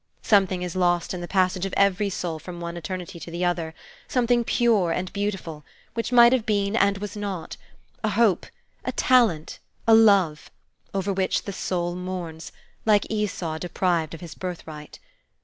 Something is lost in the passage of every soul from one eternity to the other, something pure and beautiful, which might have been and was not: a hope, a talent, a love, over which the soul mourns, like Esau deprived of his birthright.